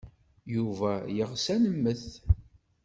Yuba yeɣs ad nemmet.